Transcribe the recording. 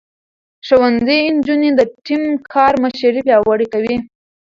ښوونځی نجونې د ټيم کار مشري پياوړې کوي.